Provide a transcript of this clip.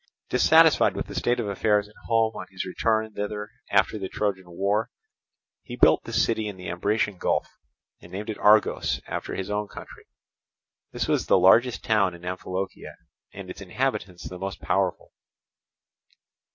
Dissatisfied with the state of affairs at home on his return thither after the Trojan War, he built this city in the Ambracian Gulf, and named it Argos after his own country. This was the largest town in Amphilochia, and its inhabitants the most powerful.